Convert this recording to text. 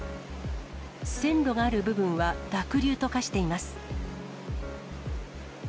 線路がある部分は濁流と化しています。